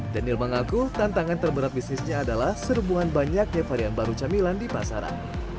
daniel mengaku tantangan terberat bisnisnya adalah serbuan banyaknya varian baru camilan di pasaran